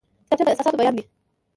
کتابچه د احساساتو بیان دی